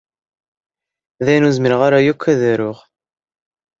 Dayen ur zmireƔ ara ukk ad aruƔ.